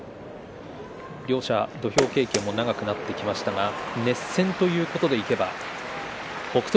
両者土俵経験も長くなってきましたが熱戦ということでいけば北勝